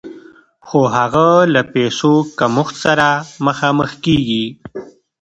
خو هغه د پیسو له کمښت سره مخامخ کېږي